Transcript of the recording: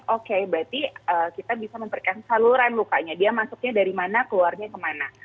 oke berarti kita bisa memberikan saluran lukanya dia masuknya dari mana keluarnya kemana